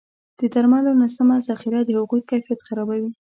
د درملو نه سمه ذخیره د هغوی کیفیت خرابوي.